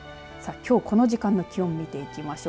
きょうこの時間の気温を見ていきましょう。